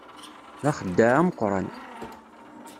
D axeddaɛ ameqqran.